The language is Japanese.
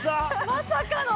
まさかの。